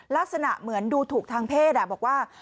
ลักษณะเหมือนดูถูกทางเพศบอกว่า